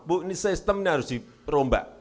bu ini sistem ini harus diperombak